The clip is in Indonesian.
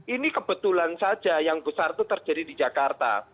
ini kebetulan saja yang besar itu terjadi di jakarta